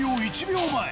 １秒前